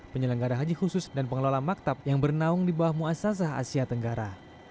penyelenggara haji khusus dan pengelola maktab yang bernaung di bawah muasazah asia tenggara